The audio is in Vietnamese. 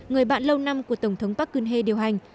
người bạn lâu năm của tổng thống park geun hye điều hành